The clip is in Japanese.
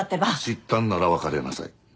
知ったんなら別れなさい。